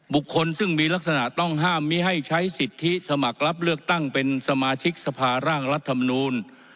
บุคคลซึ่งมีลักษณะต้องห้ามมีให้ใช้สิทธิสมัครรับเลือกตั้งเป็นสมาชิกสภาร่างรัฐมนูล